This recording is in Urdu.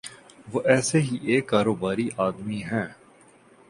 وہ ایسے ہی ایک کاروباری آدمی ہیں۔